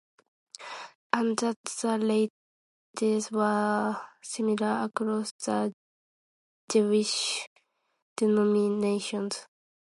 And that the rates were similar across the Jewish denominations.